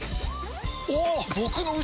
おっ！